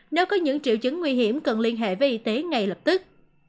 nếu có những triệu chứng nguy hiểm cần liên hệ với y tế ngay lập tức